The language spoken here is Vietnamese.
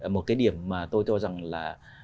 một cái điểm mà tôi cho rằng là